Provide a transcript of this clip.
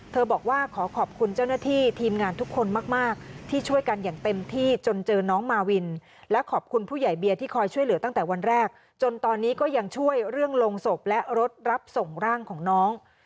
บอกว่าขอขอบคุณเจ้าหน้าที่ทีมงานทุกคนมากที่ช่วยกันอย่างเต็มที่จนเจอน้องมาวินและขอบคุณผู้ใหญ่เบียร์ที่คอยช่วยเหลือตั้งแต่วันแรกจนตอนนี้ก็ยังช่วยเรื่องลงศพและรถรับส่งร่างของน้อง